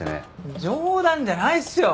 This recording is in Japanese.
冗談じゃないっすよ。